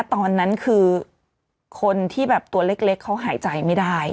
ตอนนั้นคือคนที่แบบตัวเล็กเขาหายใจไม่ได้